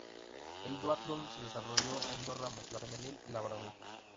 El Duatlón se desarrolló en dos ramas, la femenil y la varonil.